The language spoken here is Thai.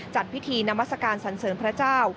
จัดพิธีนามัศกาลสันเสริญพระเจ้า